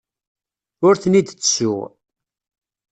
Ur ten-id-ttessuɣ.